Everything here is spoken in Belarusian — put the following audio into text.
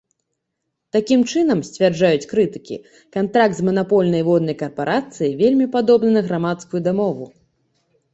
Такім чынам, сцвярджаюць крытыкі, кантракт з манапольнай воднай карпарацыяй вельмі падобны на грамадскую дамову.